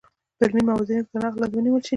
په علمي موازینو تر نقد لاندې ونیول شي.